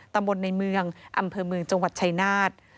ตำบลในเมืองอำเภอเมืองจังหวัดชายนาฏ